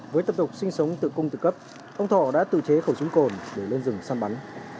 với tập tục sinh sống tự cung tự cấp ông thọ đã tự chế khẩu súng cồn để lên rừng săn bắn